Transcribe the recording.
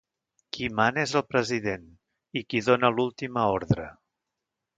Qui mana és el president i qui dóna l’última ordre.